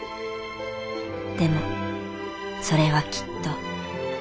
でもそれはきっと。